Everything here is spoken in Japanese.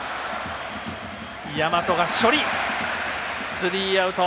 スリーアウト。